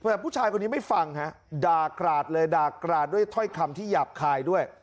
แต่ผู้ชายคนนี้ไม่ฟังฮะด่ากราดเลยด่ากราดด้วยถ้อยคำที่หยาบคายด้วย